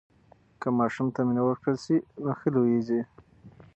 که ماشوم ته مینه ورکړل سي نو ښه لویېږي.